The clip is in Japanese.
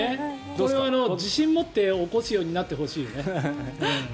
これは自信を持って起こすようになってほしいよね。